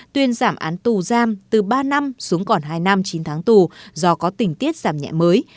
tuyên giảm án tù giam từ ba năm xuống còn hai năm chín tháng tù do có tình tiết giảm nhẹ mới